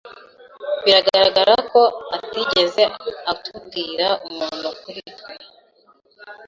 Biragaragara ko atigeze atubwira umuntu kuri twe.